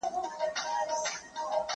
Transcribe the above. هغه څوک چي خبري کوي پوهه زياتوي؟